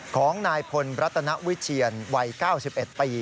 ของนายพลรัตนวิเชียนวัย๙๑ปี